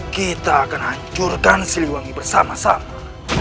kita akan hancurkan siliwangi bersama sama